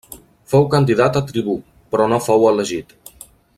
Fou candidat a tribú, però no fou elegit.